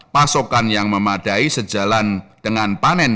pasokan yang memadai sejalan dengan panen